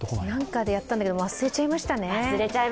何かでやったんだけど、忘れちゃいましたね。